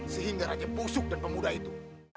sehingga raja busuk dan pemuda itu